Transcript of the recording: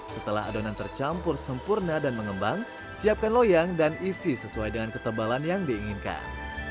setelah adonan tercampur sempurna dan mengembang siapkan loyang dan isi sesuai dengan ketebalan yang diinginkan